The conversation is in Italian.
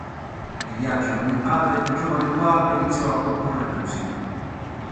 Nei viaggi con il padre il giovane Eduardo iniziò a comporre musica.